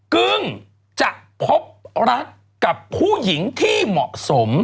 กึ้งจะพบรักกับผู้หญิงที่เหมาะสม